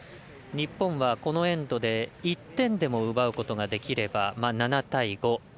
日本は、このエンドで１点でも奪うことができれば７対５。